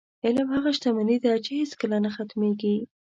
علم هغه شتمني ده، چې هېڅکله نه ختمېږي.